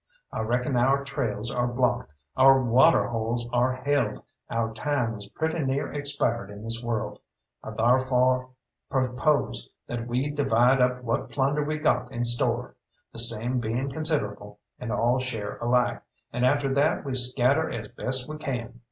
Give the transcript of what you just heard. I reckon our trails are blocked, our water holes are held, our time is pretty near expired in this world. I tharfore propose that we divide up what plunder we got in store the same being considerable and all share alike, and after that we scatter as best we can.